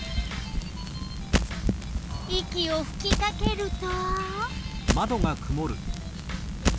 息をふきかけると？